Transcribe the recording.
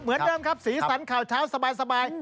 เหมือนเดิมครับสีสันข่าวเช้าสบาย